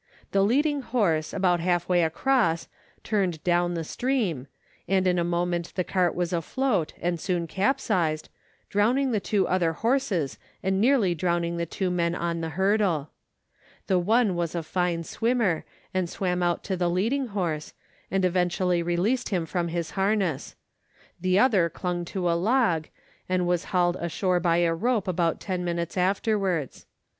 The leading horse, about half way across, turned down the stream, and in a moment the cart was afloat, and soon capsized, drowning the two other horses and nearly drowning the two men on the hurdle. The one was a fine swimmer, and swam out to the leading horse, and eventually released him from his harness ; the other clung to a log, and was hauled ashore by a rope about ten minutes after wards.